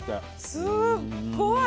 すっごい！